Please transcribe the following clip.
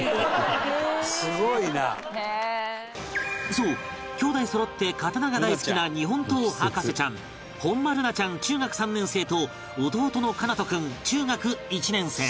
そう姉弟そろって刀が大好きな日本刀博士ちゃん本間るなちゃん中学３年生と弟の奏都君中学１年生